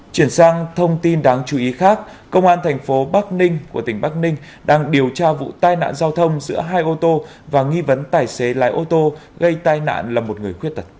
chuyển sang thông tin đáng chú ý khác công an thành phố bắc ninh của tỉnh bắc ninh đang điều tra vụ tai nạn giao thông giữa hai ô tô và nghi vấn tài xế lái ô tô gây tai nạn là một người khuyết tật